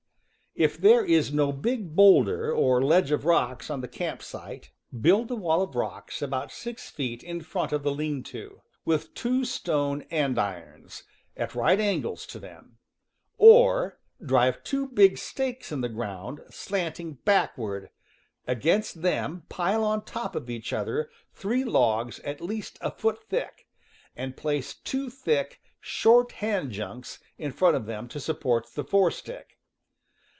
If there is no big bowlder or ledge of rocks on the camp site, build a THE CAMP FIRE 91 wall of rocks about six feet in front of the lean to, with two stone "andirons" at right angles to them; or, drive two big stakes in the ground, slanting backward, against them pile on top of each other three logs at least a foot thick, and place two thick, short hand junks in front of them to support the fore stick.